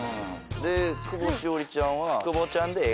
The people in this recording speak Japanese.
で久保史緒里ちゃんは。